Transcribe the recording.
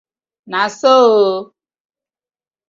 Na so ooo!